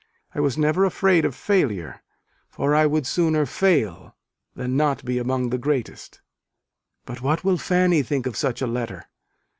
I was never afraid of failure: for I would sooner fail than not be among the greatest." But what will Fanny think of such a letter?